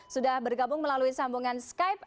sudah bergabung melalui sambungan skype